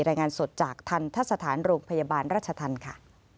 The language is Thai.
รายงานสดจากทันทะสถานโรงพยาบาลราชธรรมค่ะ